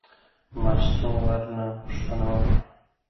مستو ورنه پوښتنه وکړه.